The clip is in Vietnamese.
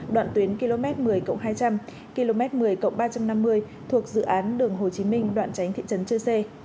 đoạn tuyến km một mươi hai trăm linh km một mươi ba trăm năm mươi thuộc dự án đường hồ chí minh đoạn tránh thị trấn chư sê